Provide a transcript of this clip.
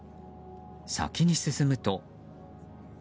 先に進むと。